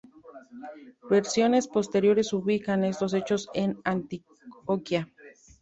Versiones posteriores ubican estos hechos en Antioquía.